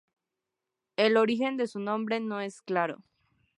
El origen de su nombre no es claro.